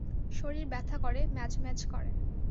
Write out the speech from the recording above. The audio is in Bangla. শরীর ব্যথা করে, ম্যাজম্যাজ করে।